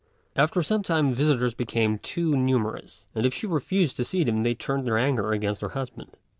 After some time visitors became too numerous, and if she refused to see them they turned their anger against her husband.